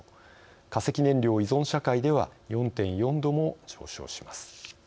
化石燃料依存社会では４．４度も上昇します。